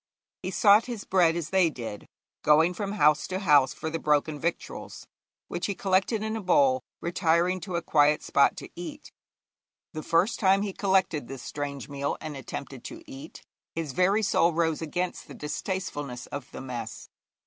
He sought his bread as they did, going from house to house for the broken victuals, which he collected in a bowl, retiring to a quiet spot to eat. The first time he collected this strange meal and attempted to eat, his very soul rose against the distastefulness of the mess.